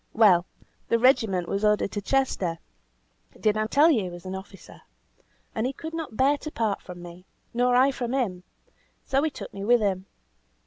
Well, the regiment was ordered to Chester (did I tell you he was an officer?), and he could not bear to part from me, nor I from him, so he took me with him.